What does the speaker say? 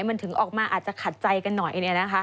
มันถึงออกมาอาจจะขาดใจกันหน่อยเนี่ยนะคะ